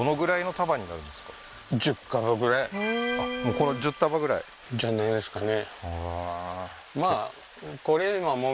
この１０束ぐらいじゃないですかね